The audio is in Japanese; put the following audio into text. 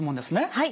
はい。